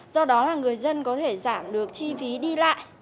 do đó là người dân có thể giảm được chi phí đi lại